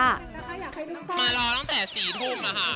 มารอตั้งแต่๔ทุ่มนะคะ